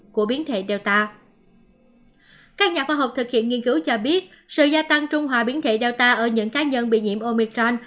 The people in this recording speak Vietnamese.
các nhà khoa học thực hiện nghiên cứu cho biết sự gia tăng trung hòa biến thể data ở những cá nhân bị nhiễm omicron